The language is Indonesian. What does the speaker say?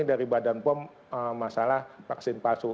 dari badan pom masalah vaksin palsu